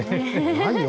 ないよ